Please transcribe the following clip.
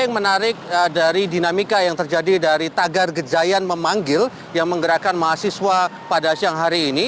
yang menarik dari dinamika yang terjadi dari tagar gejayan memanggil yang menggerakkan mahasiswa pada siang hari ini